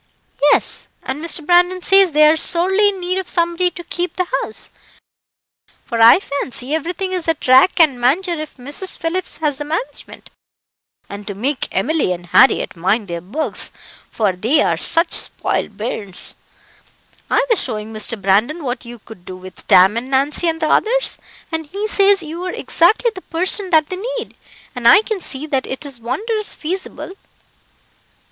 "Yes; and Mr. Brandon says they are sorely in need of somebody to keep the house for I fancy everything is at rack and manger if Mrs. Phillips has the management and to make Emily and Harriett mind their books, for they are such spoiled bairns. I was showing Mr. Brandon what you could do with Tam and Nancy and the others, and he says you are exactly the person that they need; and I can see that it is wondrous feasible."